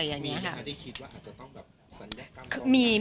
มีใครที่คิดว่าอาจจะต้องแบบสัญลักษณ์กล้อง